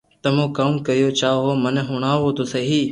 تمو ڪاو ڪيوُ چاھو ھون مني ھڻاو تو سھي